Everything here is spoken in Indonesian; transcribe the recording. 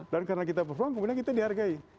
dan karena kita perform kemudian kita dihargai